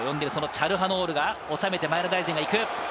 チャルハノールが収めて前田大然が行く。